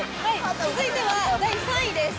続いては、第３位です。